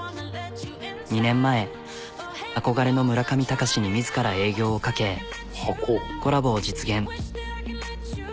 ２年前憧れの村上隆に自ら営業をかけコラボを実現。